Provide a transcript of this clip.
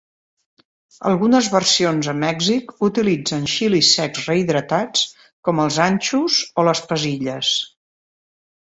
Algunes versions a Mèxic utilitzen xilis secs rehidratats com els anchos o les pasilles.